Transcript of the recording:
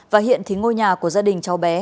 và hiện thì ngôi nhà của gia đình cháu bé